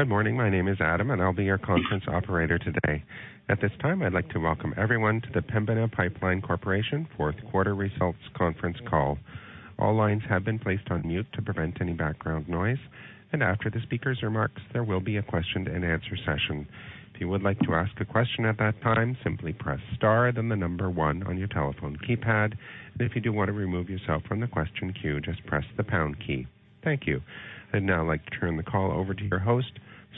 Good morning. My name is Adam, and I'll be your conference operator today. At this time, I'd like to welcome everyone to the Pembina Pipeline Corporation fourth quarter results conference call. All lines have been placed on mute to prevent any background noise, and after the speaker's remarks, there will be a question and answer session. If you would like to ask a question at that time, simply press star then the number one on your telephone keypad. If you do want to remove yourself from the question queue, just press the pound key. Thank you. I'd now like to turn the call over to your host,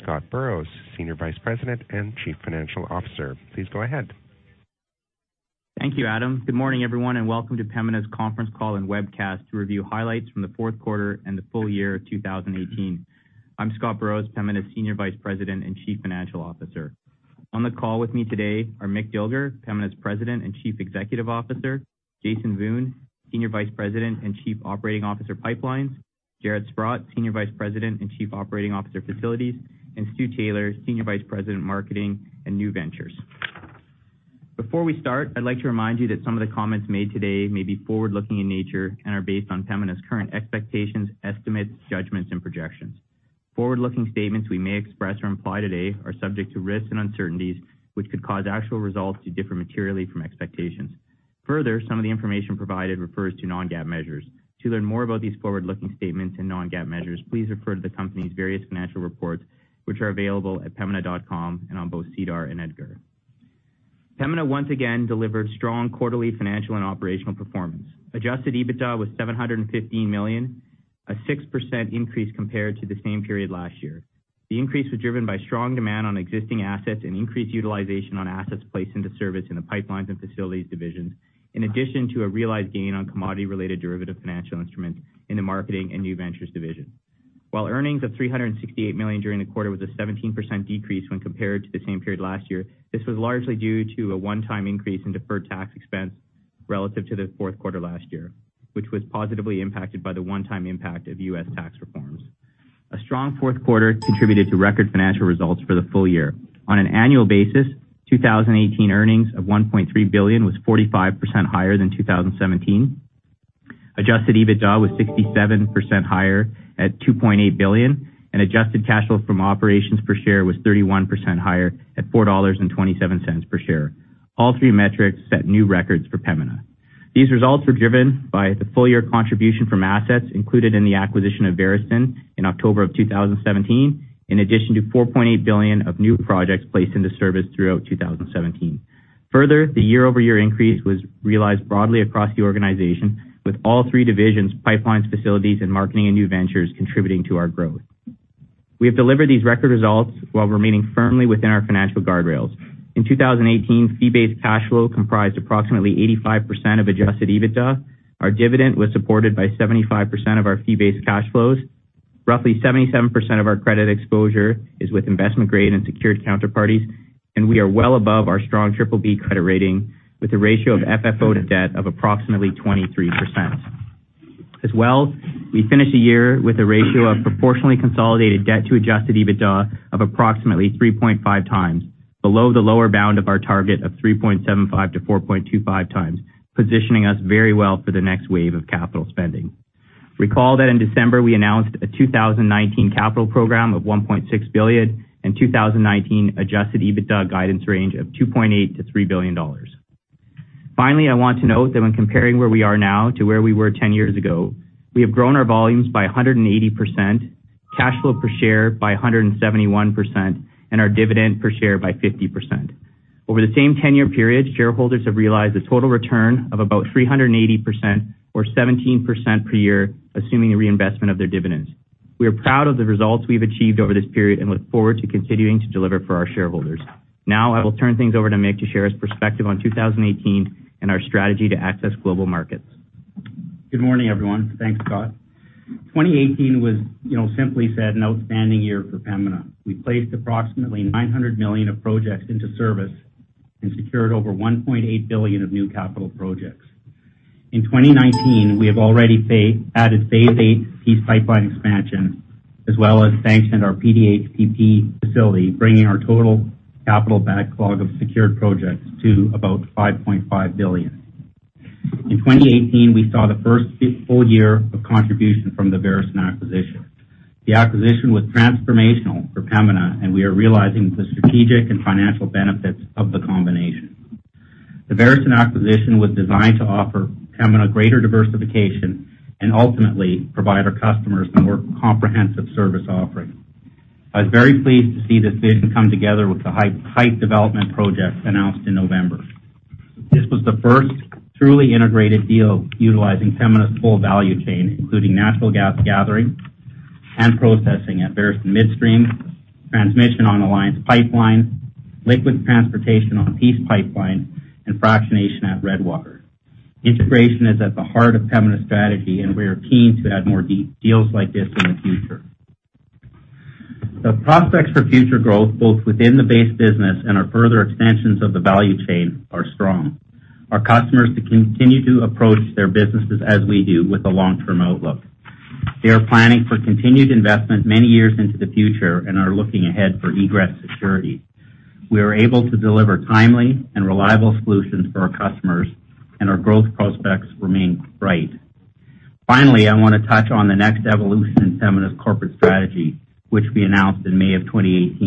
Scott Burrows, Senior Vice President and Chief Financial Officer. Please go ahead. Thank you, Adam. Good morning, everyone, and welcome to Pembina's conference call and webcast to review highlights from the fourth quarter and the full year of 2018. I'm Scott Burrows, Pembina's Senior Vice President and Chief Financial Officer. On the call with me today are Mick Dilger, Pembina's President and Chief Executive Officer; Jason Wiun, Senior Vice President and Chief Operating Officer, Pipelines; Jaret Sprott, Senior Vice President and Chief Operating Officer, Facilities; and Stu Taylor, Senior Vice President, Marketing and New Ventures. Before we start, I'd like to remind you that some of the comments made today may be forward-looking in nature and are based on Pembina's current expectations, estimates, judgments and projections. Forward-looking statements we may express or imply today are subject to risks and uncertainties, which could cause actual results to differ materially from expectations. Further, some of the information provided refers to non-GAAP measures. To learn more about these forward-looking statements and non-GAAP measures, please refer to the company's various financial reports, which are available at pembina.com and on both SEDAR and EDGAR. Pembina once again delivered strong quarterly financial and operational performance. Adjusted EBITDA was 715 million, a 6% increase compared to the same period last year. The increase was driven by strong demand on existing assets and increased utilization on assets placed into service in the Pipelines and Facilities divisions, in addition to a realized gain on commodity-related derivative financial instruments in the Marketing and New Ventures division. While earnings of 368 million during the quarter was a 17% decrease when compared to the same period last year, this was largely due to a one-time increase in deferred tax expense relative to the fourth quarter last year, which was positively impacted by the one-time impact of U.S. tax reforms. A strong fourth quarter contributed to record financial results for the full year. On an annual basis, 2018 earnings of 1.3 billion was 45% higher than 2017. Adjusted EBITDA was 67% higher at 2.8 billion, and adjusted cash flow from operations per share was 31% higher at 4.27 dollars per share. All three metrics set new records for Pembina. These results were driven by the full-year contribution from assets included in the acquisition of Veresen in October of 2017, in addition to 4.8 billion of new projects placed into service throughout 2017. Further, the year-over-year increase was realized broadly across the organization, with all three divisions, Pipelines, Facilities, and Marketing and New Ventures, contributing to our growth. We have delivered these record results while remaining firmly within our financial guardrails. In 2018, fee-based cash flow comprised approximately 85% of Adjusted EBITDA. Our dividend was supported by 75% of our fee-based cash flows. Roughly 77% of our credit exposure is with investment-grade and secured counterparties. We are well above our strong BBB credit rating with a ratio of FFO to debt of approximately 23%. We finished the year with a ratio of proportionally consolidated debt to adjusted EBITDA of approximately 3.5x, below the lower bound of our target of 3.75-4.25x, positioning us very well for the next wave of capital spending. Recall that in December, we announced a 2019 capital program of 1.6 billion and 2019 adjusted EBITDA guidance range of 2.8 billion-3 billion dollars. I want to note that when comparing where we are now to where we were 10 years ago, we have grown our volumes by 180%, cash flow per share by 171%, and our dividend per share by 50%. Over the same 10-year period, shareholders have realized a total return of about 380%, or 17% per year, assuming the reinvestment of their dividends. We are proud of the results we've achieved over this period and look forward to continuing to deliver for our shareholders. I will turn things over to Mick to share his perspective on 2018 and our strategy to access global markets. Good morning, everyone. Thanks, Scott. 2018 was simply said, an outstanding year for Pembina. We placed approximately 900 million of projects into service and secured over 1.8 billion of new capital projects. We have already added Phase VIII Peace Pipeline expansion, as well as sanctioned our PDH PP facility, bringing our total capital backlog of secured projects to about 5.5 billion. In 2018, we saw the first full year of contribution from the Veresen acquisition. The acquisition was transformational for Pembina. We are realizing the strategic and financial benefits of the combination. The Veresen acquisition was designed to offer Pembina greater diversification and ultimately provide our customers a more comprehensive service offering. I was very pleased to see this vision come together with the Hythe development project announced in November. This was the first truly integrated deal utilizing Pembina's full value chain, including natural gas gathering and processing at Veresen Midstream, transmission on Alliance Pipeline, liquid transportation on Peace Pipeline, and fractionation at Redwater. Integration is at the heart of Pembina's strategy. We are keen to add more deals like this in the future. The prospects for future growth, both within the base business and our further extensions of the value chain, are strong. Our customers continue to approach their businesses as we do, with a long-term outlook. They are planning for continued investment many years into the future and are looking ahead for egress security. We are able to deliver timely and reliable solutions for our customers. Our growth prospects remain bright. Finally, I wanna touch on the next evolution in Pembina's corporate strategy, which we announced in May of 2018,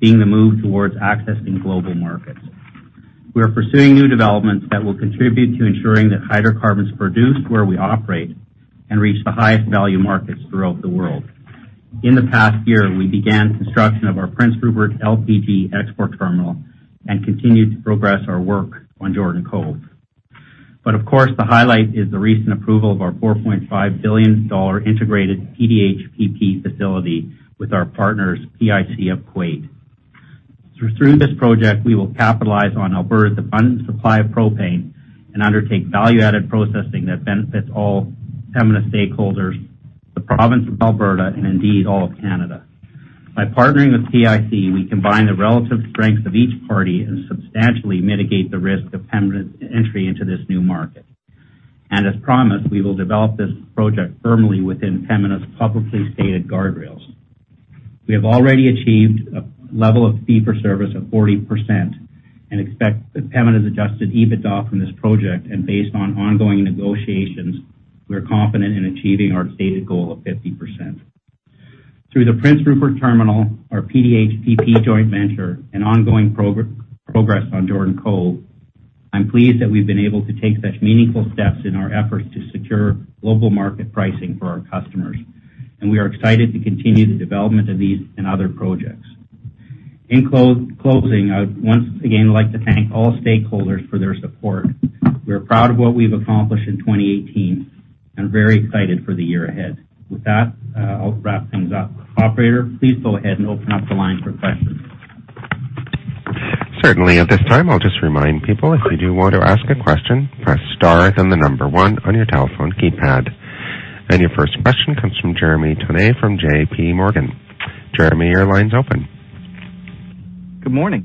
being the move towards accessing global markets. We are pursuing new developments that will contribute to ensuring that hydrocarbons produced where we operate and reach the highest value markets throughout the world. In the past year, we began construction of our Prince Rupert LPG export terminal and continued to progress our work on Jordan Cove. Of course, the highlight is the recent approval of our 4.5 billion dollar integrated PDH/PP facility with our partners, PIC of Kuwait. Through this project, we will capitalize on Alberta's abundant supply of propane and undertake value-added processing that benefits all Pembina stakeholders, the province of Alberta, and indeed all of Canada. By partnering with PIC, we combine the relative strengths of each party and substantially mitigate the risk of Pembina's entry into this new market. As promised, we will develop this project firmly within Pembina's publicly stated guardrails. We have already achieved a level of fee for service of 40% and expect that Pembina's adjusted EBITDA from this project, and based on ongoing negotiations, we are confident in achieving our stated goal of 50%. Through the Prince Rupert Terminal, our PDH/PP joint venture, and ongoing progress on Jordan Cove, I'm pleased that we've been able to take such meaningful steps in our efforts to secure global market pricing for our customers. We are excited to continue the development of these and other projects. In closing, I would once again like to thank all stakeholders for their support. We are proud of what we've accomplished in 2018. Very excited for the year ahead. With that, I'll wrap things up. Operator, please go ahead and open up the line for questions. Certainly. At this time, I'll just remind people, if you do want to ask a question, press star, then the number one on your telephone keypad. Your first question comes from Jeremy Tonet, from J.P. Morgan. Jeremy, your line's open. Good morning.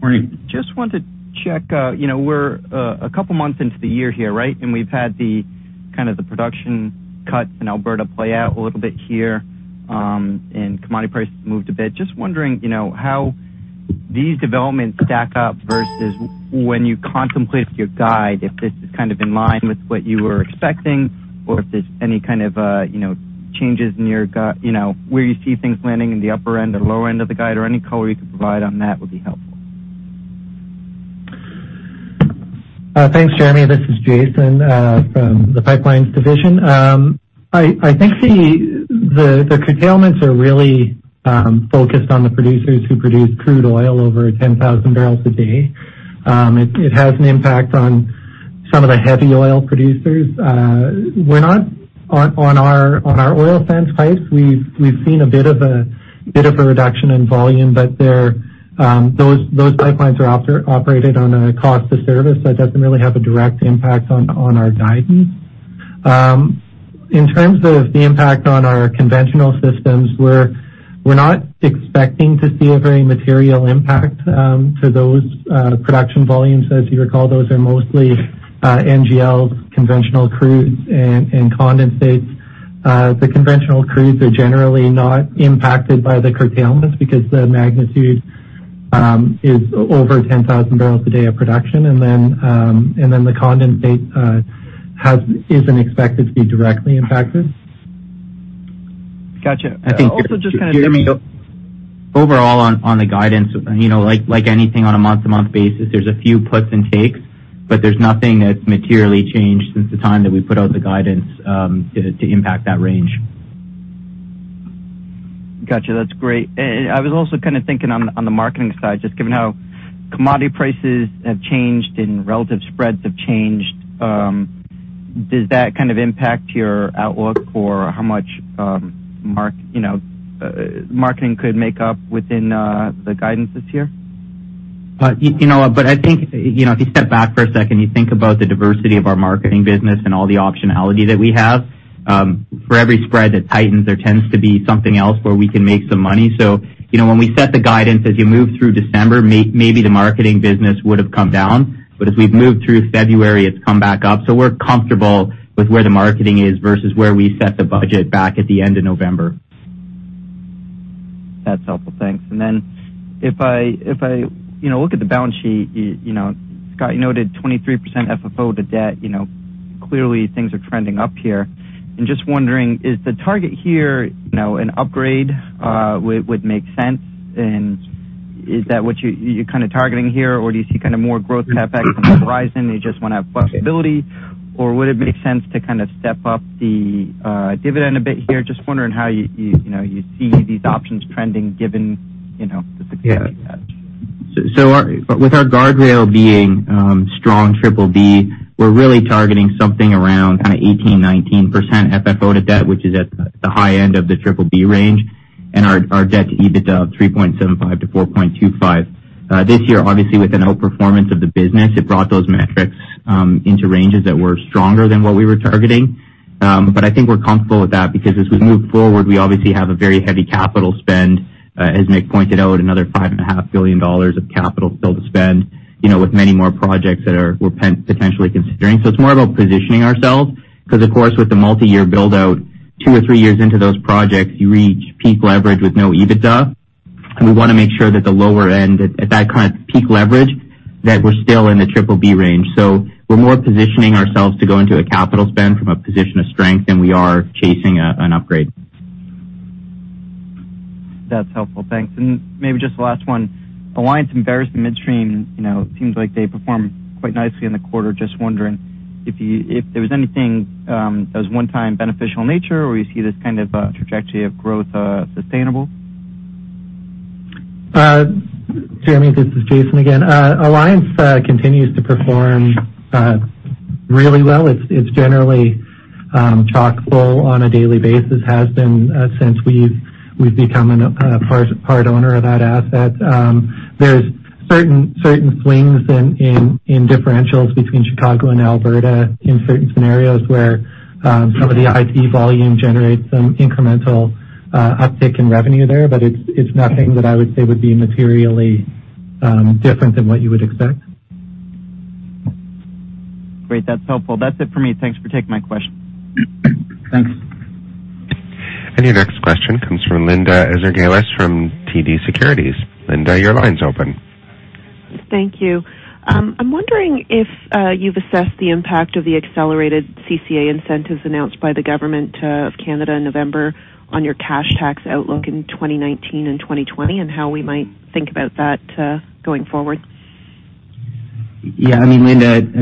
Morning. Just wanted to check. We're a couple of months into the year here, right? We've had the production cuts in Alberta play out a little bit here, commodity prices moved a bit. Just wondering, how these developments stack up versus when you contemplated your guide, if this is in line with what you were expecting or if there's any kind of changes in where you see things landing in the upper end or lower end of the guide or any color you could provide on that would be helpful. Thanks, Jeremy. This is Jason, from the pipelines division. I think the curtailments are really focused on the producers who produce crude oil over 10,000 barrels a day. It has an impact on some of the heavy oil producers. On our oil sands pipes, we've seen a bit of a reduction in volume, but those pipelines are operated on a cost of service, so it doesn't really have a direct impact on our guidance. In terms of the impact on our conventional systems, we're not expecting to see a very material impact to those production volumes. As you recall, those are mostly NGLs, conventional crudes, and condensates. The conventional crudes are generally not impacted by the curtailments because the magnitude is over 10,000 barrels a day of production. The condensate isn't expected to be directly impacted. Got you. Jeremy, overall on the guidance, like anything on a month-to-month basis, there's a few puts and takes, there's nothing that's materially changed since the time that we put out the guidance to impact that range. Got you. That's great. I was also thinking on the marketing side, just given how commodity prices have changed and relative spreads have changed, does that impact your outlook for how much marketing could make up within the guidance this year? I think, if you step back for a second, you think about the diversity of our marketing business and all the optionality that we have. For every spread that tightens, there tends to be something else where we can make some money. When we set the guidance, as you move through December, maybe the marketing business would've come down. As we've moved through February, it's come back up. We're comfortable with where the marketing is versus where we set the budget back at the end of November. That's helpful. Thanks. If I look at the balance sheet, Scott, you noted 23% FFO to debt. Clearly things are trending up here. Just wondering, is the target here an upgrade would make sense? Is that what you're targeting here, or do you see more growth CapEx on the horizon, you just wanna have flexibility? Would it make sense to step up the dividend a bit here? Just wondering how you see these options trending given the success you've had. With our guardrail being strong BBB, we're really targeting something around 18%-19% FFO to debt, which is at the high end of the BBB range, and our debt to EBITDA, 3.75-4.25. This year, obviously, with an outperformance of the business, it brought those metrics into ranges that were stronger than what we were targeting. I think we're comfortable with that because as we move forward, we obviously have a very heavy capital spend, as Mick pointed out, another 5.5 billion dollars of capital still to spend, with many more projects that we're potentially considering. It's more about positioning ourselves, because of course, with the multi-year build-out, two or three years into those projects, you reach peak leverage with no EBITDA. We want to make sure that the lower end, at that kind of peak leverage, that we're still in the BBB range. We're more positioning ourselves to go into a capital spend from a position of strength than we are chasing an upgrade. That's helpful. Thanks. Maybe just the last one, Alliance and Barrister Midstream, it seems like they performed quite nicely in the quarter. Just wondering if there was anything that was one-time beneficial in nature, or you see this kind of trajectory of growth sustainable? Jeremy, this is Jason again. Alliance continues to perform really well. It's generally chock-full on a daily basis, has been since we've become a part owner of that asset. There's certain swings in differentials between Chicago and Alberta in certain scenarios where some of the IP volume generates some incremental uptick in revenue there, it's nothing that I would say would be materially different than what you would expect. Great. That's helpful. That's it for me. Thanks for taking my question. Thanks. Your next question comes from Linda Ezergailis from TD Securities. Linda, your line's open. Thank you. I'm wondering if you've assessed the impact of the accelerated CCA incentives announced by the government of Canada in November on your cash tax outlook in 2019 and 2020, and how we might think about that going forward. Yeah, Linda, at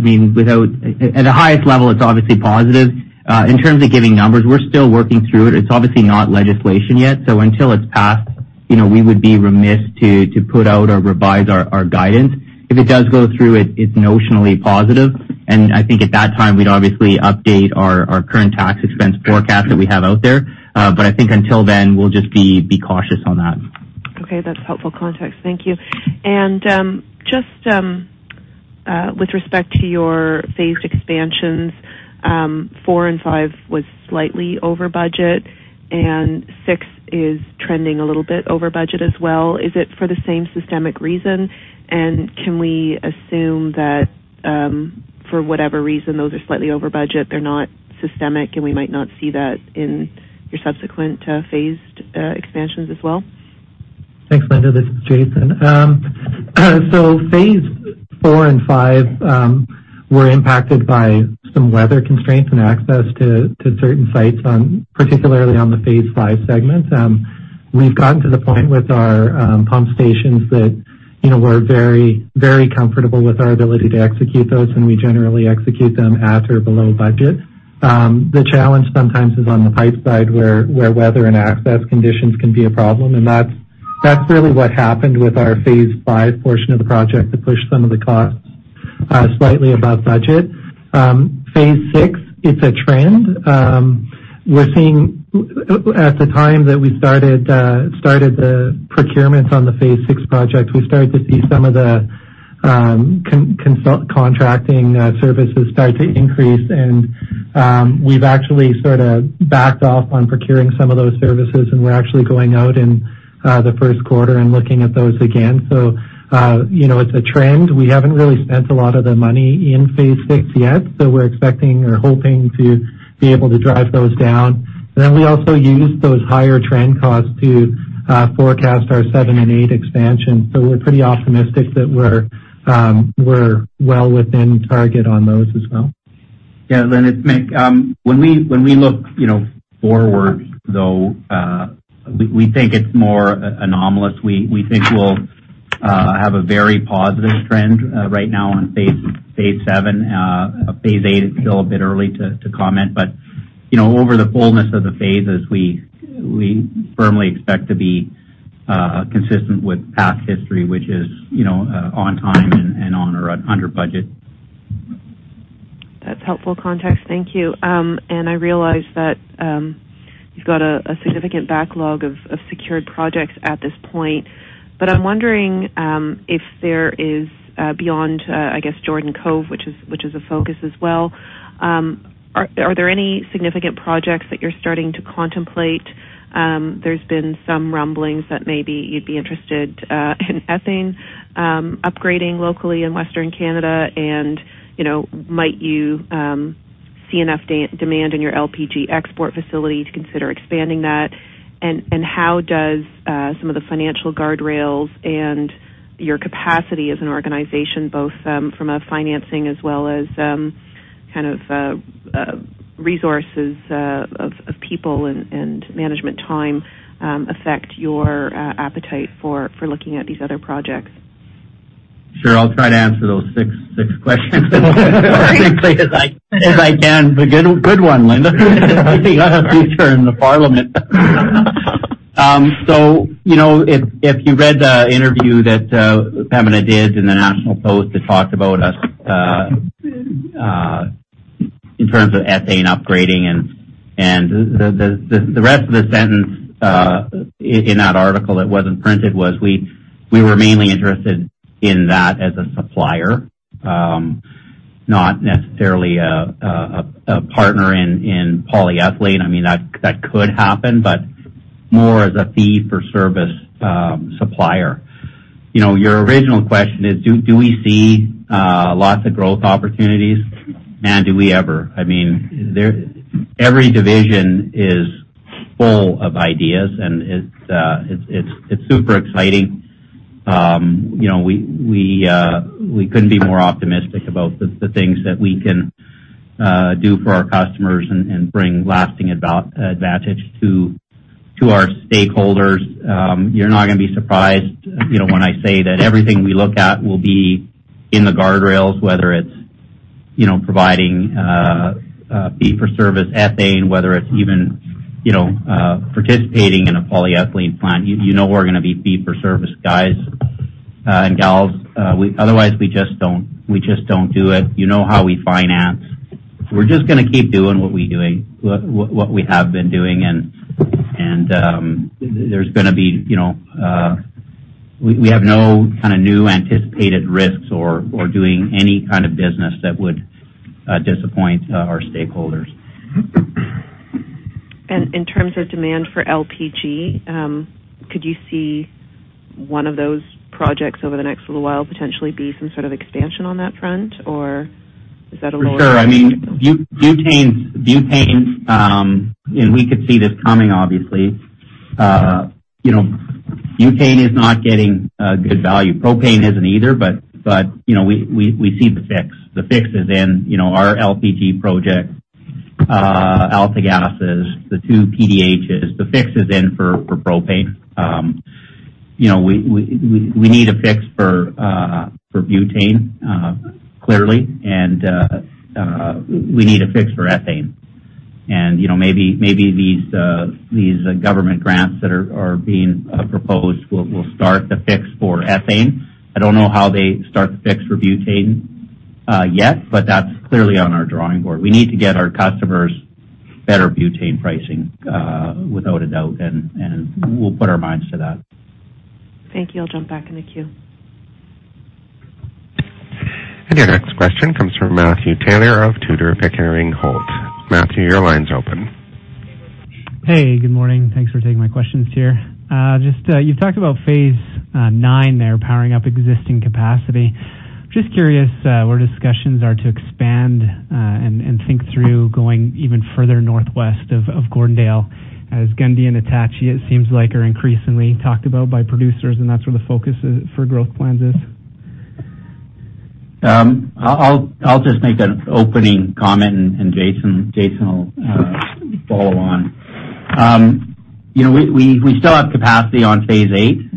the highest level, it's obviously positive. In terms of giving numbers, we're still working through it. It's obviously not legislation yet, until it's passed, we would be remiss to put out or revise our guidance. If it does go through, it's notionally positive, and I think at that time, we'd obviously update our current tax expense forecast that we have out there. I think until then, we'll just be cautious on that. Okay. That's helpful context. Thank you. Just with respect to your phased expansions, four and five was slightly over budget, and six is trending a little bit over budget as well. Is it for the same systemic reason? Can we assume that, for whatever reason, those are slightly over budget, they're not systemic, and we might not see that in your subsequent phased expansions as well? Thanks, Linda. This is Jason. Phase IV and V were impacted by some weather constraints and access to certain sites, particularly on the phase V segments. We've gotten to the point with our pump stations that we're very comfortable with our ability to execute those, and we generally execute them at or below budget. The challenge sometimes is on the pipe side where weather and access conditions can be a problem, and that's really what happened with our phase V portion of the project that pushed some of the costs slightly above budget. Phase VI, it's a trend. At the time that we started the procurements on the phase VI project, we started to see some of the contracting services start to increase and we've actually sort of backed off on procuring some of those services, and we're actually going out in the first quarter and looking at those again. It's a trend. We haven't really spent a lot of the money in phase VI yet, we're expecting or hoping to be able to drive those down. We also use those higher trend costs to forecast our 7 and 8 expansion. We're pretty optimistic that we're well within target on those as well. Yeah, Linda, it's Mick. When we look forward, though, we think it's more anomalous. We think we'll have a very positive trend right now on phase VII. Phase VIII, it's still a bit early to comment, but over the fullness of the phases, we firmly expect to be consistent with past history, which is on time and on or under budget. That's helpful context. Thank you. I realize that you've got a significant backlog of secured projects at this point, I'm wondering if there is, beyond, I guess Jordan Cove, which is a focus as well, are there any significant projects that you're starting to contemplate? There's been some rumblings that maybe you'd be interested in ethane upgrading locally in Western Canada, might you see enough demand in your LPG export facility to consider expanding that? How does some of the financial guardrails and your capacity as an organization, both from a financing as well as resources of people and management time, affect your appetite for looking at these other projects? Sure. I'll try to answer those six questions as quickly as I can. Good one, Linda. You have a future in the parliament. If you read the interview that Pembina did in the National Post that talked about us in terms of ethane upgrading, the rest of the sentence in that article that wasn't printed was we were mainly interested in that as a supplier not necessarily a partner in polyethylene. That could happen, more as a fee-for-service supplier. Your original question is, do we see lots of growth opportunities? Man, do we ever. Every division is full of ideas, it's super exciting. We couldn't be more optimistic about the things that we can do for our customers and bring lasting advantage to our stakeholders. You're not going to be surprised when I say that everything we look at will be in the guardrails, whether it's providing fee-for-service ethane, whether it's even participating in a polyethylene plant. You know we're going to be fee-for-service guys and gals. Otherwise, we just don't do it. You know how we finance. We're just going to keep doing what we have been doing, we have no new anticipated risks or doing any kind of business that would disappoint our stakeholders. In terms of demand for LPG, could you see one of those projects over the next little while potentially be some sort of expansion on that front, or is that a lower- Butane. We could see this coming, obviously. Butane is not getting good value. Propane isn't either, but we see the fix. The fix is in our LPG project. AltaGas, the 2 PDHs. The fix is in for propane. We need a fix for butane, clearly, and we need a fix for ethane. Maybe these government grants that are being proposed will start the fix for ethane. I don't know how they start the fix for butane yet, but that's clearly on our drawing board. We need to get our customers better butane pricing, without a doubt, and we'll put our minds to that. Thank you. I'll jump back in the queue. Your next question comes from Matthew Taylor of Tudor, Pickering, Holt & Co. Matthew, your line's open. Hey, good morning. Thanks for taking my questions here. You've talked about Phase IX there, powering up existing capacity. Just curious where discussions are to expand and think through going even further northwest of Gordondale. Gundy and Attachie, it seems like, are increasingly talked about by producers, and that's where the focus for growth plans is. I'll just make an opening comment. Jason will follow on. We still have capacity on Phase VIII.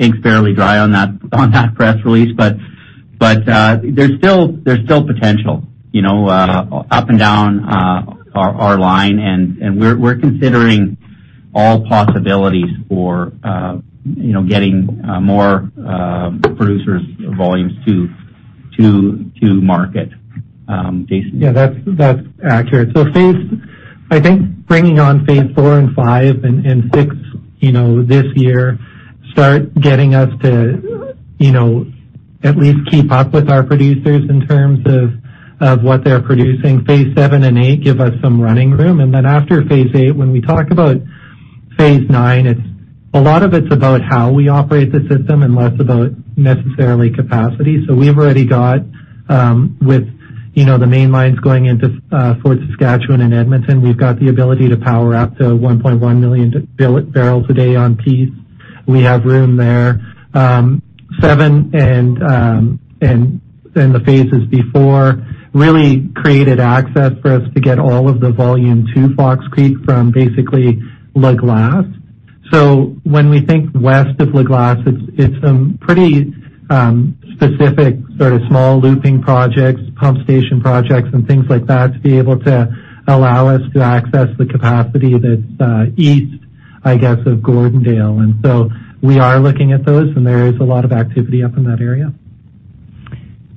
Ink's barely dry on that press release. There's still potential up and down our line, and we're considering all possibilities for getting more producers' volumes to market. Jason? Yeah, that's accurate. I think bringing on Phase IV and V and VI this year start getting us to at least keep up with our producers in terms of what they're producing. Phase VII and VIII give us some running room. After Phase VIII, when we talk about Phase IX, a lot of it's about how we operate the system and less about necessarily capacity. We've already got, with the main lines going into Fort Saskatchewan and Edmonton, we've got the ability to power up to 1.1 million barrels a day on Peace. We have room there. Phase VII and the phases before really created access for us to get all of the volume to Fox Creek from basically La Glace. When we think west of La Glace, it's some pretty specific sort of small looping projects, pump station projects, and things like that to be able to allow us to access the capacity that's east, I guess, of Gordondale. We are looking at those, and there is a lot of activity up in that area.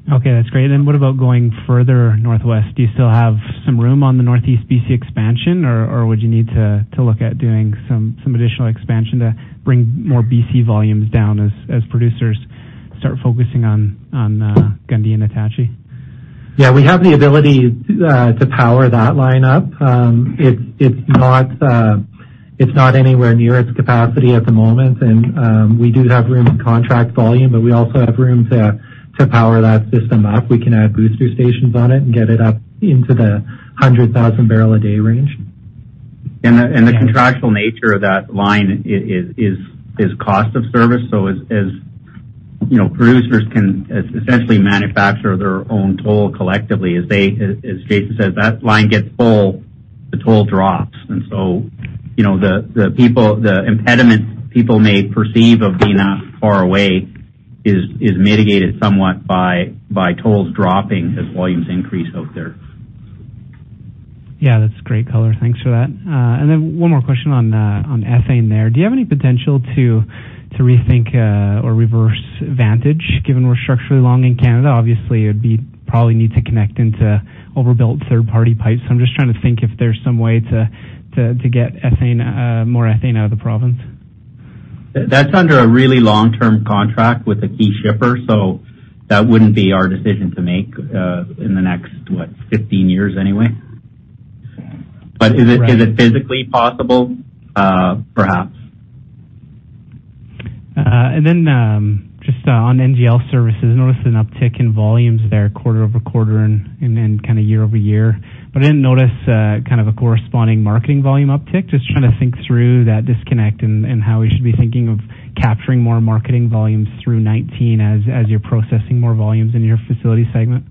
Okay, that's great. What about going further northwest? Do you still have some room on the Northeast B.C. expansion, or would you need to look at doing some additional expansion to bring more B.C. volumes down as producers start focusing on Gundy and Attachie? Yeah, we have the ability to power that line up. It's not anywhere near its capacity at the moment, and we do have room to contract volume, but we also have room to power that system up. We can add booster stations on it and get it up into the 100,000 barrel a day range. The contractual nature of that line is cost of service. As producers can essentially manufacture their own toll collectively, as Jason says, that line gets full, the toll drops. The impediment people may perceive of being that far away is mitigated somewhat by tolls dropping as volumes increase out there. Yeah, that's great color. Thanks for that. Then one more question on ethane there. Do you have any potential to rethink or reverse Vantage, given we're structurally long in Canada? Obviously, it'd probably need to connect into overbuilt third-party pipes. I'm just trying to think if there's some way to get more ethane out of the province. That's under a really long-term contract with a key shipper, so that wouldn't be our decision to make in the next, what, 15 years anyway? is it physically possible? Perhaps. just on NGL services, I noticed an uptick in volumes there quarter-over-quarter and year-over-year. I didn't notice a corresponding marketing volume uptick. Just trying to think through that disconnect and how we should be thinking of capturing more marketing volumes through 2019 as you're processing more volumes in your facility segment.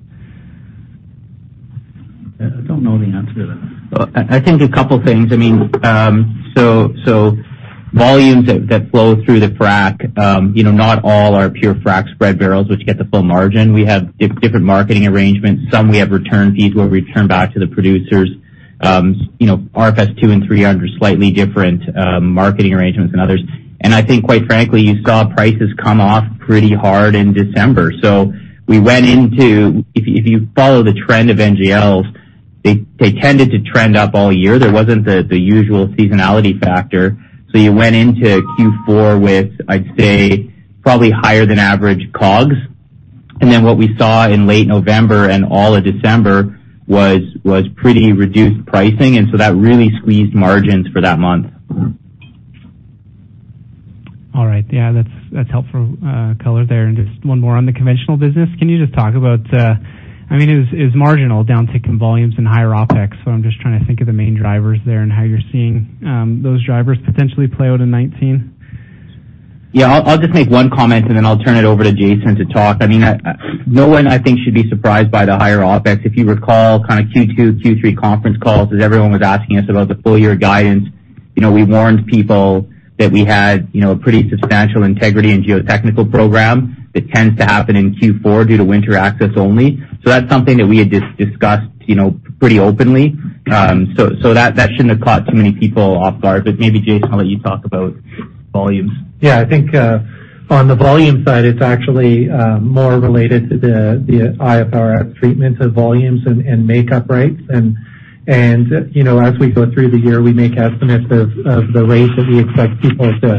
I don't know the answer to that. I think a couple things. Volumes that flow through the frac, not all are pure frac spread barrels, which get the full margin. We have different marketing arrangements. Some we have return fees where we return back to the producers. RFS two and three are under slightly different marketing arrangements than others. I think, quite frankly, you saw prices come off pretty hard in December. If you follow the trend of NGLs, they tended to trend up all year. There wasn't the usual seasonality factor. You went into Q4 with, I'd say, probably higher than average COGS. What we saw in late November and all of December was pretty reduced pricing. That really squeezed margins for that month. All right. Yeah, that's helpful color there. Just one more on the conventional business. Can you just talk about-- It was marginal downtick in volumes and higher OpEx. I'm just trying to think of the main drivers there and how you're seeing those drivers potentially play out in 2019. Yeah, I'll just make one comment. Then I'll turn it over to Jason to talk. No one, I think, should be surprised by the higher OpEx. If you recall Q2, Q3 conference calls, as everyone was asking us about the full-year guidance. We warned people that we had a pretty substantial integrity and geotechnical program that tends to happen in Q4 due to winter access only. That's something that we had discussed pretty openly. That shouldn't have caught too many people off guard. Maybe, Jason, I'll let you talk about volumes. Yeah, I think on the volume side, it's actually more related to the IFRS treatment of volumes and makeup rates. As we go through the year, we make estimates of the rate that we expect people to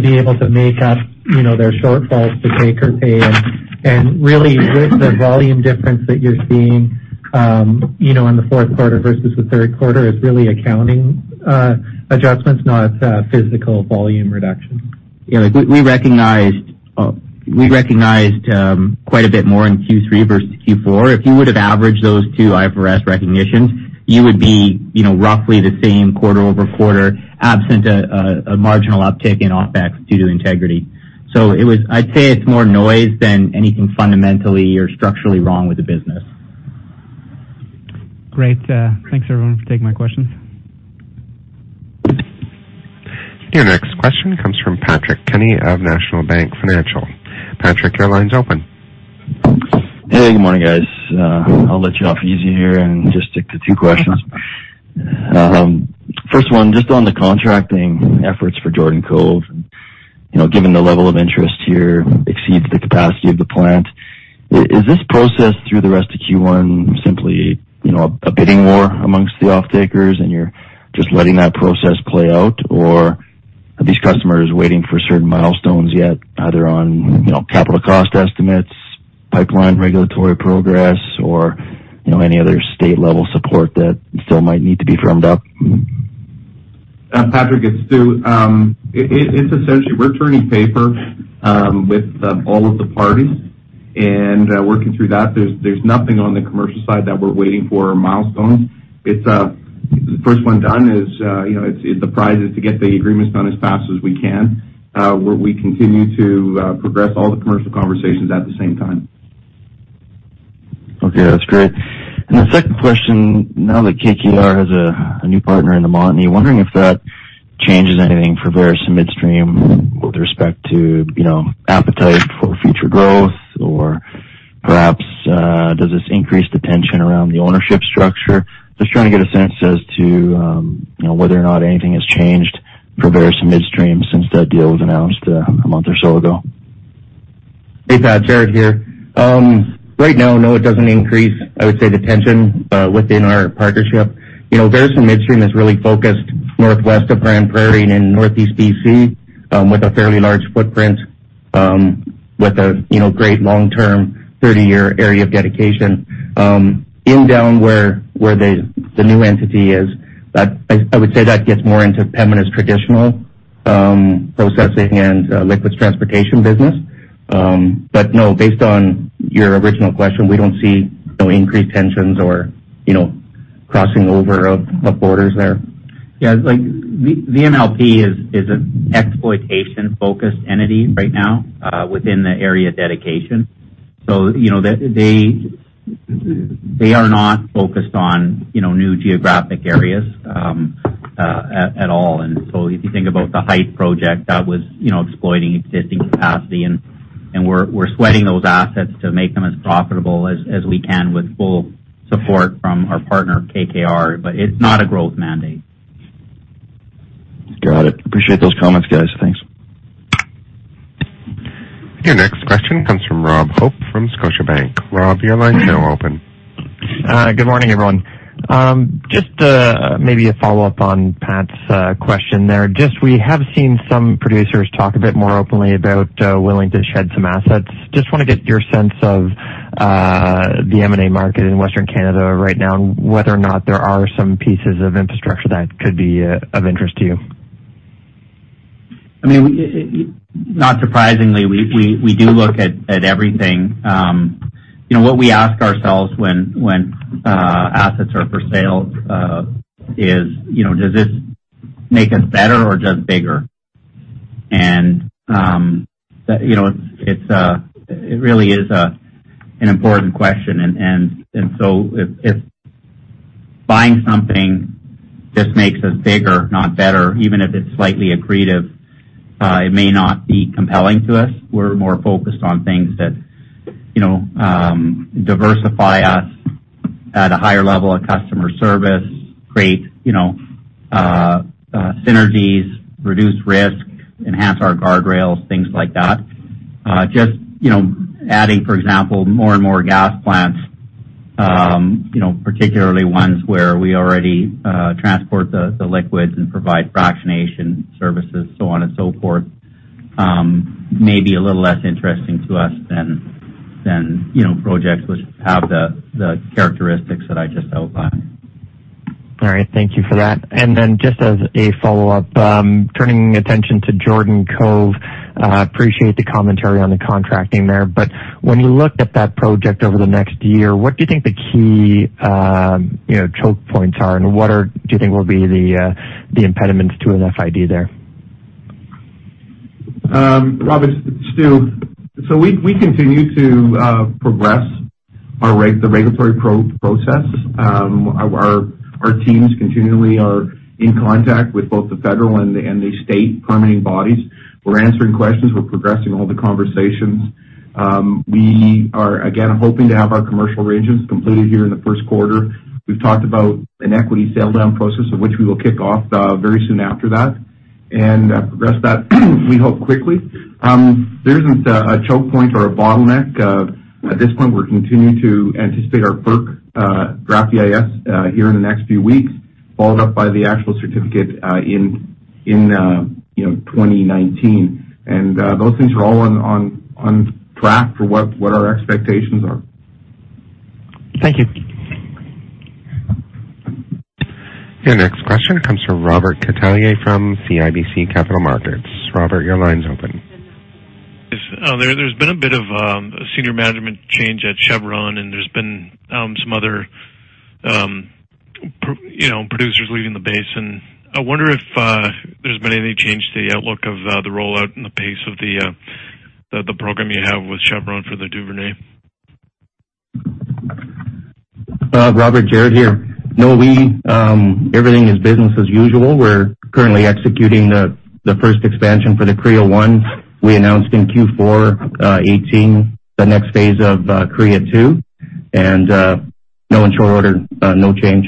be able to make up their shortfalls to take or pay. Really, with the volume difference that you're seeing in the fourth quarter versus the third quarter is really accounting adjustments, not physical volume reduction. We recognized quite a bit more in Q3 versus Q4. If you would've averaged those two IFRS recognitions, you would be roughly the same quarter-over-quarter, absent a marginal uptick in OpEx due to integrity. I'd say it's more noise than anything fundamentally or structurally wrong with the business. Great. Thanks, everyone, for taking my questions. Your next question comes from Patrick Kenny of National Bank Financial. Patrick, your line's open. Hey, good morning, guys. I'll let you off easy here and just stick to two questions. First one, just on the contracting efforts for Jordan Cove. Given the level of interest here exceeds the capacity of the plant, is this process through the rest of Q1 simply a bidding war amongst the offtakers and you're just letting that process play out? Or are these customers waiting for certain milestones yet, either on capital cost estimates, pipeline regulatory progress, or any other state-level support that still might need to be firmed up? Patrick, it's Stu. It's essentially, we're turning paper with all of the parties and working through that. There's nothing on the commercial side that we're waiting for milestones. The prize is to get the agreements done as fast as we can. We continue to progress all the commercial conversations at the same time. Okay, that's great. The second question, now that KKR has a new partner in Montney, wondering if that changes anything for Veresen Midstream with respect to appetite for future growth? Or perhaps, does this increase the tension around the ownership structure? Just trying to get a sense as to whether or not anything has changed for Veresen Midstream since that deal was announced a month or so ago. Hey, Pat. Jaret here. Right now, no, it doesn't increase, I would say, the tension within our partnership. Veresen Midstream is really focused northwest of Grande Prairie and in Northeast BC with a fairly large footprint with a great long-term, 30-year area of dedication. In down where the new entity is, I would say that gets more into Pembina's traditional processing and liquids transportation business. No, based on your original question, we don't see increased tensions or crossing over of borders there. Yeah. The MLP is an exploitation-focused entity right now within the area dedication. They are not focused on new geographic areas at all. If you think about the Hythe project, that was exploiting existing capacity, and we're sweating those assets to make them as profitable as we can with full support from our partner, KKR. It's not a growth mandate. Got it. Appreciate those comments, guys. Thanks. Your next question comes from Rob Hope from Scotiabank. Rob, your line's now open. Good morning, everyone. Maybe a follow-up on Pat's question there. We have seen some producers talk a bit more openly about willing to shed some assets. Want to get your sense of the M&A market in Western Canada right now and whether or not there are some pieces of infrastructure that could be of interest to you. Not surprisingly, we do look at everything. What we ask ourselves when assets are for sale is, does this make us better or just bigger? It really is an important question. If buying something just makes us bigger, not better, even if it's slightly accretive, it may not be compelling to us. We're more focused on things that diversify us at a higher level of customer service, create synergies, reduce risk, enhance our guardrails, things like that. Adding, for example, more and more gas plants, particularly ones where we already transport the liquids and provide fractionation services, so on and so forth, may be a little less interesting to us than projects which have the characteristics that I just outlined. All right. Thank you for that. Just as a follow-up, turning attention to Jordan Cove, appreciate the commentary on the contracting there. When you looked at that project over the next year, what do you think the key choke points are, and what do you think will be the impediments to an FID there? Robert, it's Stu, we continue to progress the regulatory process. Our teams continually are in contact with both the federal and the state permitting bodies. We're answering questions. We're progressing all the conversations. We are, again, hoping to have our commercial arrangements completed here in the first quarter. We've talked about an equity sale down process, of which we will kick off very soon after that, and progress that, we hope, quickly. There isn't a choke point or a bottleneck. At this point, we're continuing to anticipate our FERC draft EIS here in the next few weeks, followed up by the actual certificate in 2019. Those things are all on track for what our expectations are. Thank you. Your next question comes from Robert Catellier from CIBC Capital Markets. Robert, your line's open. There's been a bit of senior management change at Chevron, and there's been some other producers leaving the basin. I wonder if there's been any change to the outlook of the rollout and the pace of the program you have with Chevron for the Duvernay. Robert, Jaret here. Everything is business as usual. We're currently executing the first expansion for the CREO One. We announced in Q4 2018, the next phase of CREO Two, and no short order, no change.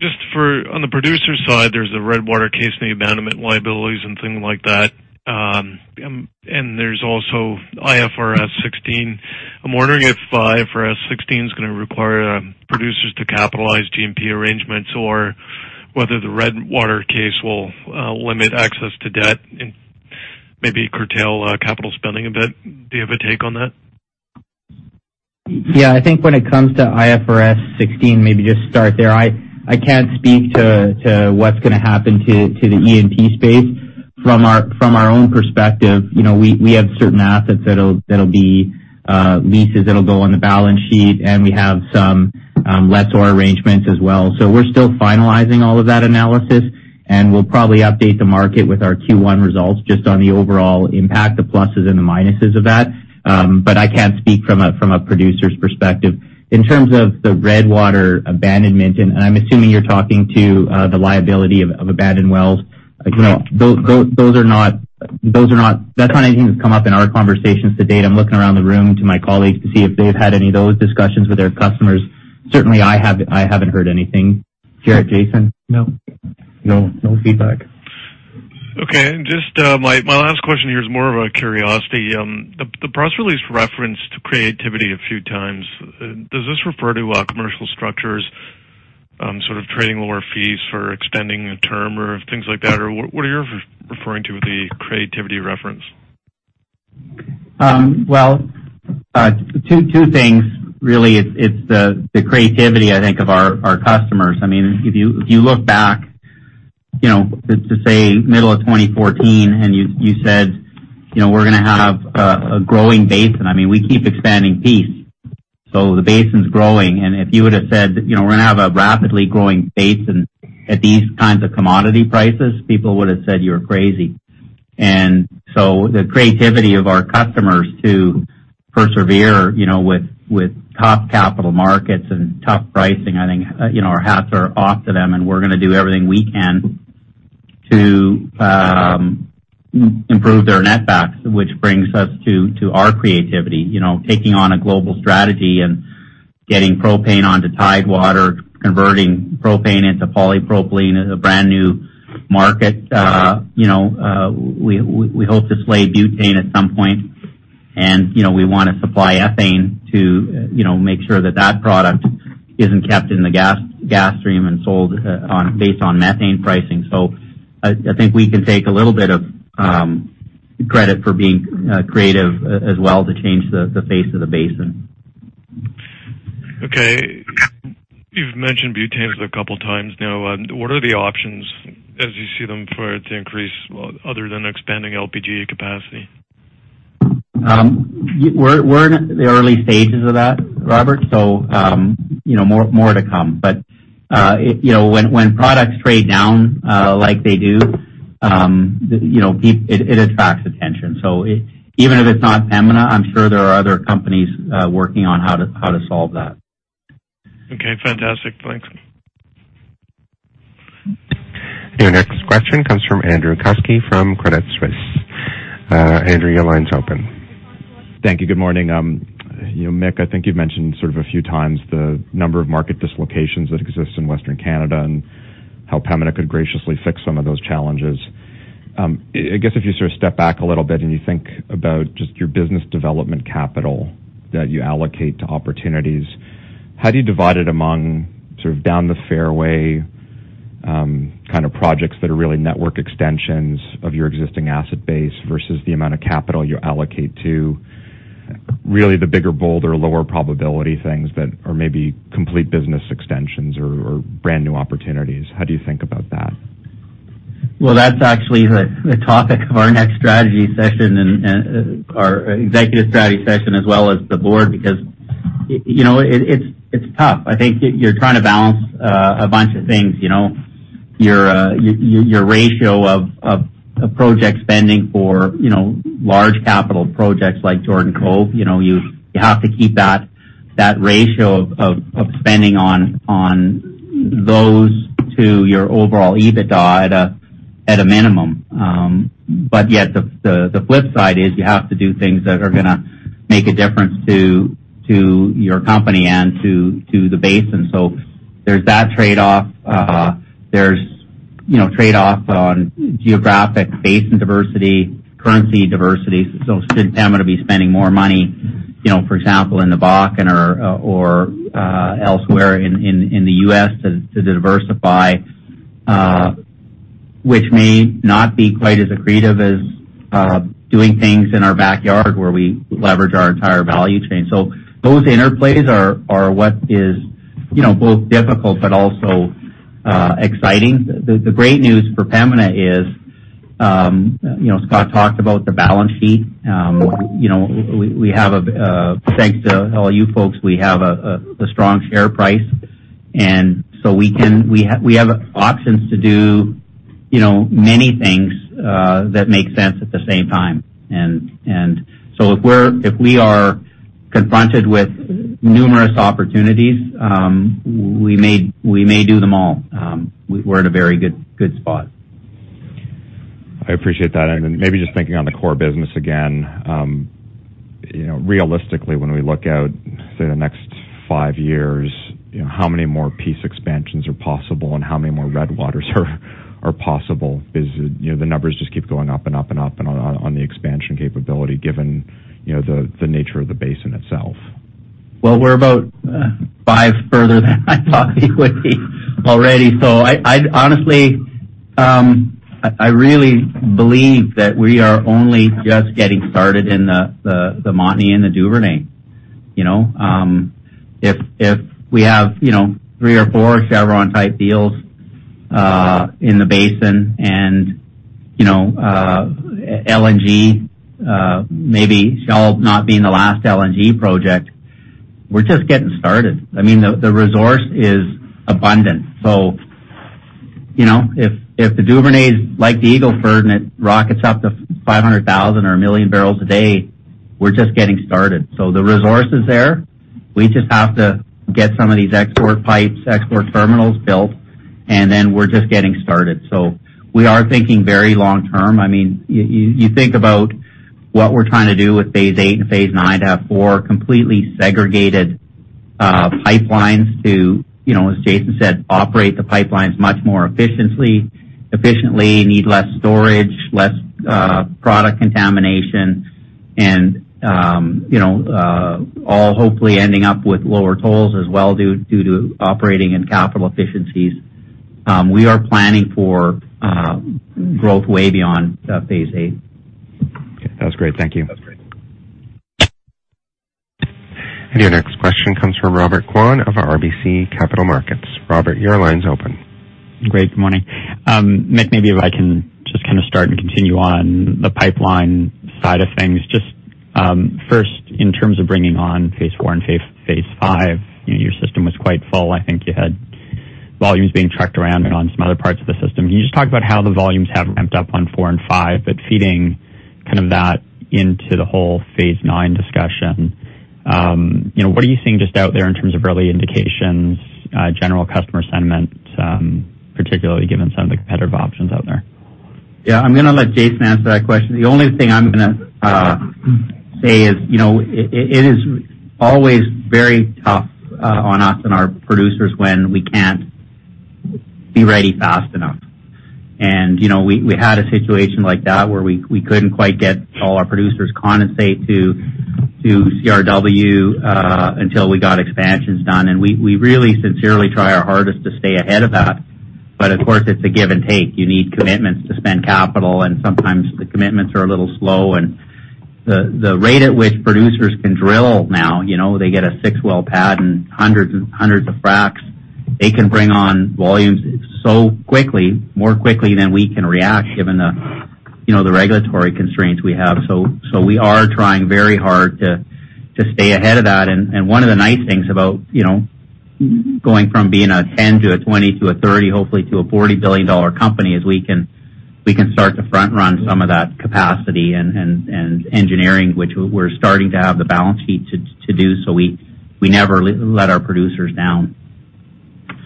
Just on the producer side, there's a Redwater case and the abandonment liabilities and things like that, and there's also IFRS 16. I'm wondering if IFRS 16 is going to require producers to capitalize G&P arrangements or whether the Redwater case will limit access to debt and maybe curtail capital spending a bit. Do you have a take on that? When it comes to IFRS 16, maybe just start there. I can't speak to what's going to happen to the E&P space. From our own perspective, we have certain assets that'll be leases that'll go on the balance sheet, and we have some lessor arrangements as well. We're still finalizing all of that analysis, and we'll probably update the market with our Q1 results just on the overall impact, the pluses and the minuses of that. I can't speak from a producer's perspective. In terms of the Redwater abandonment, and I'm assuming you're talking to the liability of abandoned wells. That's not anything that's come up in our conversations to date. I'm looking around the room to my colleagues to see if they've had any of those discussions with their customers. Certainly, I haven't heard anything. Jaret, Jason? No. No feedback. Okay. Just my last question here is more of a curiosity. The press release referenced creativity a few times. Does this refer to commercial structures, sort of trading lower fees for extending a term or things like that? Or what are you referring to with the creativity reference? Well, two things really. It's the creativity, I think, of our customers. If you look back to, say, middle of 2014 and you said we're going to have a growing basin. We keep expanding Peace. The basin's growing. If you would've said, we're going to have a rapidly growing basin at these kinds of commodity prices, people would've said you were crazy. The creativity of our customers to persevere with tough capital markets and tough pricing, I think our hats are off to them, and we're going to do everything we can to improve their netbacks, which brings us to our creativity. Taking on a global strategy and getting propane onto Tidewater, converting propane into polypropylene is a brand-new market. We hope to slay butane at some point, we want to supply ethane to make sure that product isn't kept in the gas stream and sold based on methane pricing. I think we can take a little bit of credit for being creative as well to change the face of the basin. Okay. You've mentioned butanes a couple of times now. What are the options as you see them for it to increase other than expanding LPG capacity? We're in the early stages of that, Robert, so more to come. When products trade down like they do, it attracts attention. Even if it's not Pembina, I'm sure there are other companies working on how to solve that. Okay, fantastic. Thanks. Your next question comes from Andrew Kuske from Credit Suisse. Andrew, your line's open. Thank you. Good morning. Mick, I think you've mentioned sort of a few times the number of market dislocations that exist in Western Canada and how Pembina could graciously fix some of those challenges. I guess if you sort of step back a little bit and you think about just your business development capital that you allocate to opportunities, how do you divide it among sort of down the fairway kind of projects that are really network extensions of your existing asset base versus the amount of capital you allocate to really the bigger, bolder, lower probability things that are maybe complete business extensions or brand-new opportunities? How do you think about that? Well, that's actually the topic of our next strategy session and our executive strategy session as well as the board, because it's tough. I think you're trying to balance a bunch of things. Your ratio of project spending for large capital projects like Jordan Cove, you have to keep that ratio of spending on those to your overall EBITDA at a minimum. Yet the flip side is you have to do things that are going to make a difference to your company and to the basin. There's that trade-off. There's trade-off on geographic basin diversity, currency diversity. Should Pembina be spending more money, for example, in the Bakken or elsewhere in the U.S. to diversify, which may not be quite as accretive as doing things in our backyard where we leverage our entire value chain. Those interplays are what is both difficult but also exciting. The great news for Pembina is, Scott talked about the balance sheet. Thanks to all you folks, we have a strong share price. We have options to do many things that make sense at the same time. If we are confronted with numerous opportunities, we may do them all. We're in a very good spot. I appreciate that. Maybe just thinking on the core business again. Realistically, when we look out, say, the next five years, how many more Peace expansions are possible and how many more Redwaters are possible? The numbers just keep going up and up and up on the expansion capability, given the nature of the basin itself. Well, we're about five further than I thought we would be already. Honestly, I really believe that we are only just getting started in the Montney and the Duvernay. If we have three or four Chevron-type deals in the basin and LNG maybe Shell not being the last LNG project, we're just getting started. I mean, the resource is abundant. If the Duvernay's like the Eagle Ford, and it rockets up to 500,000 or 1 million barrels a day, we're just getting started. The resource is there. We just have to get some of these export pipes, export terminals built, and then we're just getting started. We are thinking very long-term. You think about what we're trying to do with Phase VIII and Phase IX to have four completely segregated pipelines to, as Jason said, operate the pipelines much more efficiently, need less storage, less product contamination, and all hopefully ending up with lower tolls as well due to operating and capital efficiencies. We are planning for growth way beyond Phase VIII. Okay. That was great. Thank you. Your next question comes from Robert Kwan of RBC Capital Markets. Robert, your line's open. Great. Good morning. Mick, maybe if I can just kind of start and continue on the pipeline side of things. First, in terms of bringing on Phase IV and Phase V, your system was quite full. I think you had volumes being tracked around and on some other parts of the system. Can you just talk about how the volumes have ramped up on four and five, but feeding kind of that into the whole Phase IX discussion? What are you seeing just out there in terms of early indications, general customer sentiment, particularly given some of the competitive options out there? Yeah. I'm going to let Jason answer that question. The only thing I'm going to say is it is always very tough on us and our producers when we can't be ready fast enough. We had a situation like that where we couldn't quite get all our producers condensate to CRW until we got expansions done. We really sincerely try our hardest to stay ahead of that. Of course, it's a give and take. You need commitments to spend capital, and sometimes the commitments are a little slow. The rate at which producers can drill now, they get a six-well pad and hundreds of fracs. They can bring on volumes so quickly, more quickly than we can react, given the regulatory constraints we have. We are trying very hard to stay ahead of that. One of the nice things about going from being a 10 to a 20 to a 30, hopefully to a 40 billion dollar company, is we can start to front-run some of that capacity and engineering, which we're starting to have the balance sheet to do so we never let our producers down.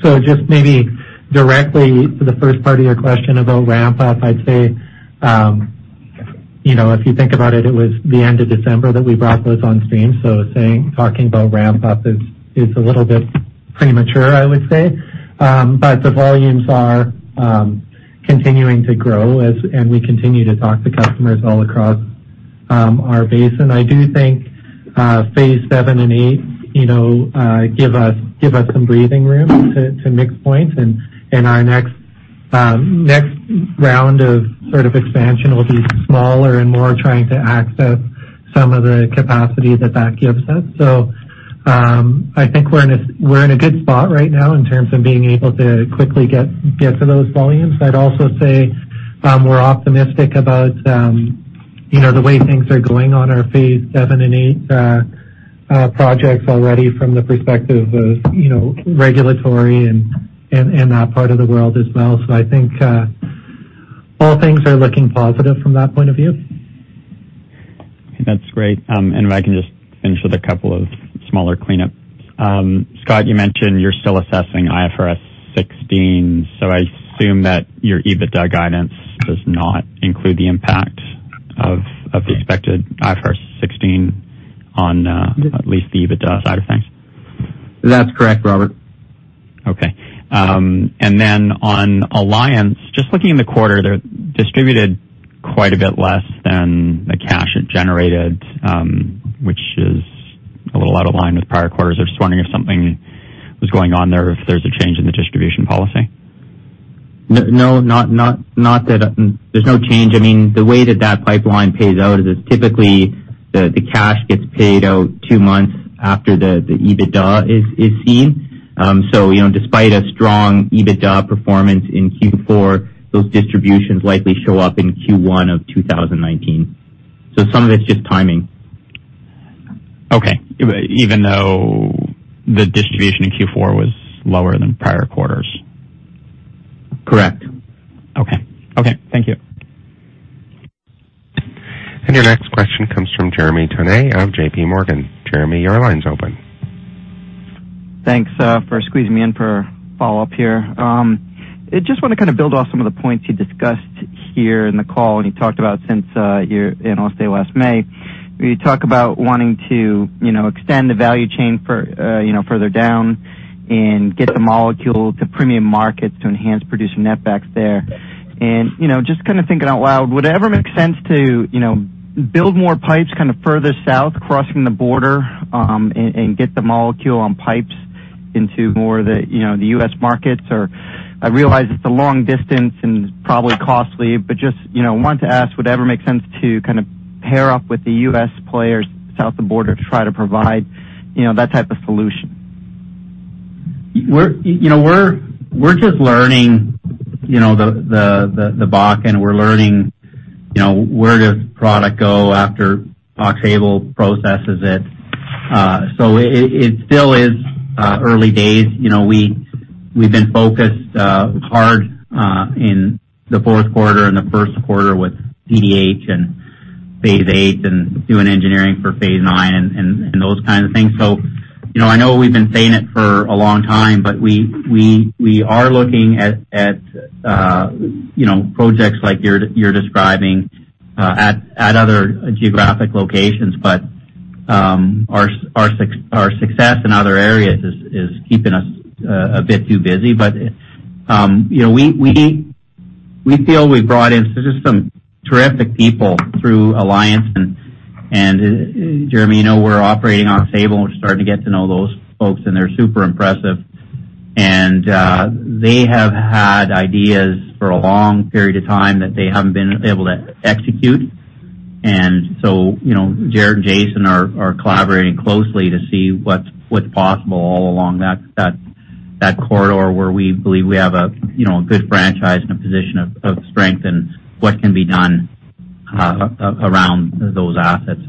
Just maybe directly to the first part of your question about ramp up, I'd say, if you think about it was the end of December that we brought those on stream. Talking about ramp up is a little bit premature, I would say. The volumes are continuing to grow and we continue to talk to customers all across our basin. I do think Phase VII and VIII give us some breathing room, to Mick's point, and our next round of expansion will be smaller and more trying to access some of the capacity that gives us. I think we're in a good spot right now in terms of being able to quickly get to those volumes. I'd also say we're optimistic about the way things are going on our Phase VII and VIII projects already from the perspective of regulatory and that part of the world as well. I think all things are looking positive from that point of view. That's great. If I can just finish with a couple of smaller cleanup. Scott, you mentioned you're still assessing IFRS 16, I assume that your EBITDA guidance does not include the impact of the expected IFRS 16 on at least the EBITDA side of things. That's correct, Robert. Okay. On Alliance, just looking in the quarter, they distributed quite a bit less than the cash it generated, which is a little out of line with prior quarters. I was just wondering if something was going on there, if there's a change in the distribution policy. No. There's no change. The way that that pipeline pays out is, typically, the cash gets paid out two months after the EBITDA is seen. Despite a strong EBITDA performance in Q4, those distributions likely show up in Q1 of 2019. Some of it's just timing. Okay. Even though the distribution in Q4 was lower than prior quarters. Correct. Okay. Thank you. Your next question comes from Jeremy Tonet of J.P. Morgan. Jeremy, your line's open. Thanks for squeezing me in for a follow-up here. I just want to build off some of the points you discussed here in the call. You talked about since you're in, I'll say, last May. You talk about wanting to extend the value chain further down and get the molecule to premium markets to enhance producer netbacks there. Just thinking out loud, would it ever make sense to build more pipes further south, crossing the border, and get the molecule on pipes into more of the U.S. markets? I realize it's a long distance and probably costly, but just wanted to ask, would it ever make sense to pair up with the U.S. players south of the border to try to provide that type of solution? We're just learning the Bakken. We're learning where does product go after Aux Sable processes it. It still is early days. We've been focused hard in the fourth quarter and the first quarter with PDH and Phase VIII and doing engineering for phase nine and those kinds of things. I know we've been saying it for a long time, but we are looking at projects like you're describing at other geographic locations. Our success in other areas is keeping us a bit too busy. We feel we've brought in just some terrific people through Alliance, Jeremy, we're operating Aux Sable, and we're starting to get to know those folks, and they're super impressive. They have had ideas for a long period of time that they haven't been able to execute. Jaret and Jason are collaborating closely to see what's possible all along that corridor where we believe we have a good franchise and a position of strength and what can be done around those assets.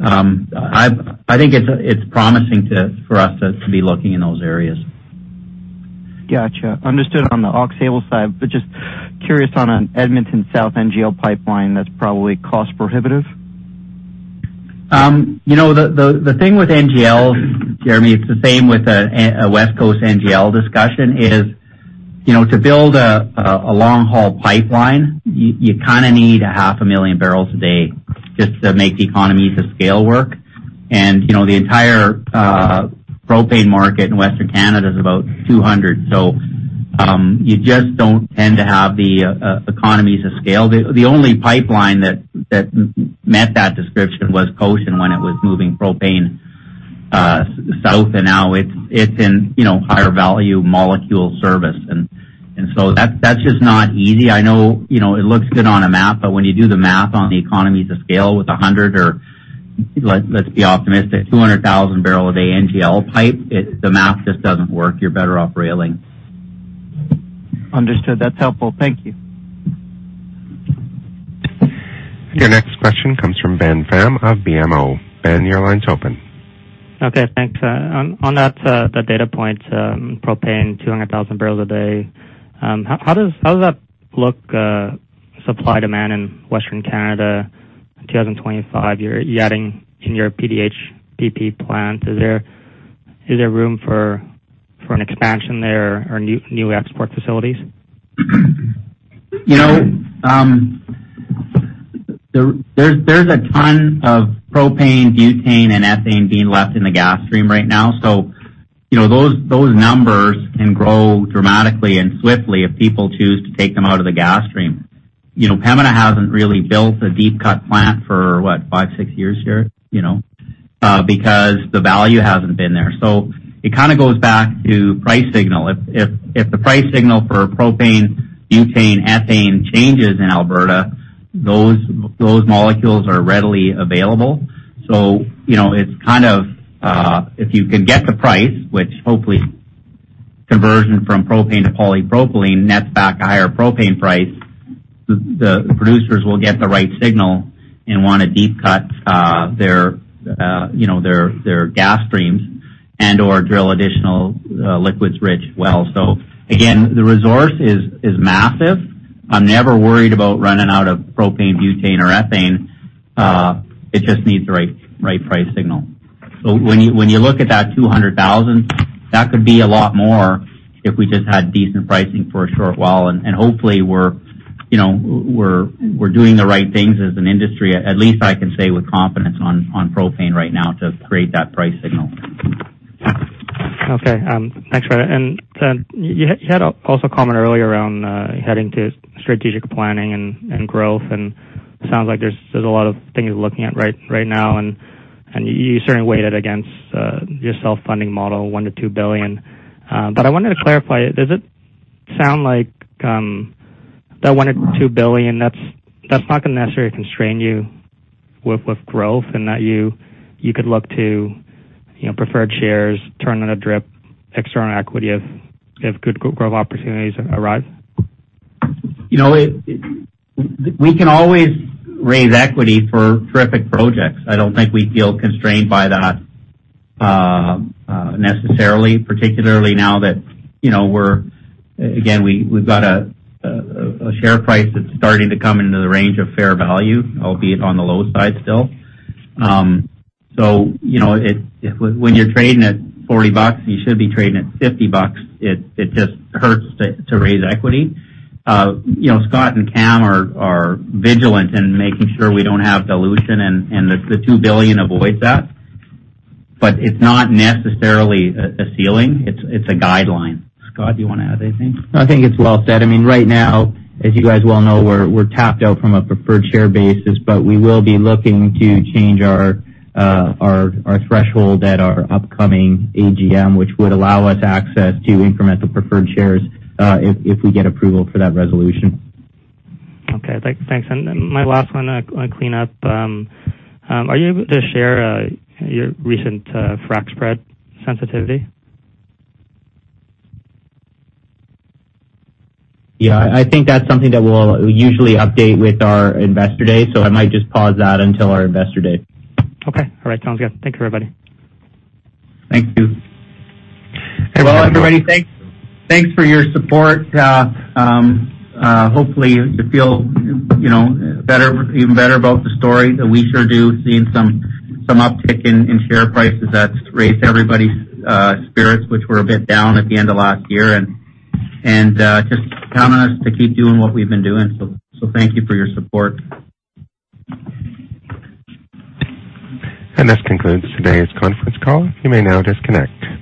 I think it's promising for us to be looking in those areas. Got you. Understood on the Aux Sable side, just curious on an Edmonton South NGL pipeline, that's probably cost prohibitive? The thing with NGLs, Jeremy, it's the same with a West Coast NGL discussion, is to build a long-haul pipeline, you need a half a million barrels a day just to make the economies of scale work. The entire propane market in Western Canada is about 200. You just don't tend to have the economies of scale. The only pipeline that met that description was Cochin when it was moving propane south and now it's in higher value molecule service. That's just not easy. I know it looks good on a map, but when you do the math on the economies of scale with 100 or, let's be optimistic, 200,000 barrel a day NGL pipe, the math just doesn't work. You're better off railing. Understood. That's helpful. Thank you. Your next question comes from Ben Pham of BMO. Ben, your line's open. Okay, thanks. On that data point, propane 200,000 barrels a day. How does that look, supply demand in Western Canada in 2025? You're adding in your PDH PP plant. Is there room for an expansion there or new export facilities? There's a ton of propane, butane, and ethane being left in the gas stream right now. Those numbers can grow dramatically and swiftly if people choose to take them out of the gas stream. Pembina hasn't really built a deep cut plant for what, five, 6 years here? Because the value hasn't been there. It kind of goes back to price signal. If the price signal for propane, butane, ethane changes in Alberta, those molecules are readily available. If you can get the price, which hopefully conversion from propane to polypropylene nets back a higher propane price, the producers will get the right signal and want to deep cut their gas streams and/or drill additional liquids-rich wells. Again, the resource is massive. I'm never worried about running out of propane, butane or ethane. It just needs the right price signal. When you look at that 200,000, that could be a lot more if we just had decent pricing for a short while and hopefully we're doing the right things as an industry, at least I can say with confidence on propane right now to create that price signal. Okay. Thanks for that. You had also comment earlier around heading to strategic planning and growth, it sounds like there's a lot of things you're looking at right now and you certainly weighed it against your self-funding model, 1 billion-2 billion. I wanted to clarify, does it sound like that 1 billion-2 billion, that's not going to necessarily constrain you with growth and that you could look to preferred shares, turning a drip, external equity if good growth opportunities arise? We can always raise equity for terrific projects. I don't think we feel constrained by that necessarily, particularly now that we're Again, we've got a share price that's starting to come into the range of fair value, albeit on the low side still. When you're trading at 40 bucks, and you should be trading at 50 bucks, it just hurts to raise equity. Scott and Cam are vigilant in making sure we don't have dilution, and the 2 billion avoids that. It's not necessarily a ceiling. It's a guideline. Scott, do you want to add anything? No, I think it's well said. Right now, as you guys well know, we're tapped out from a preferred share basis. We will be looking to change our threshold at our upcoming AGM, which would allow us access to incremental preferred shares, if we get approval for that resolution. Okay, thanks. My last one I want to clean up. Are you able to share your recent frac spread sensitivity? Yeah, I think that's something that we'll usually update with our investor day. I might just pause that until our investor date. Okay. All right, sounds good. Thank you, everybody. Thank you. Well, everybody, thanks for your support. Hopefully you feel even better about the story. We sure do, seeing some uptick in share prices that's raised everybody's spirits, which were a bit down at the end of last year, just counting on us to keep doing what we've been doing. Thank you for your support. This concludes today's conference call. You may now disconnect.